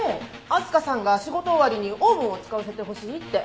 明日香さんが仕事終わりにオーブンを使わせてほしいって。